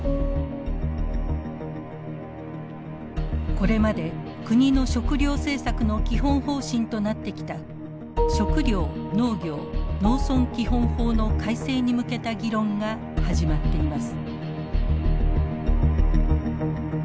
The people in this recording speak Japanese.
これまで国の食料政策の基本方針となってきた「食料・農業・農村基本法」の改正に向けた議論が始まっています。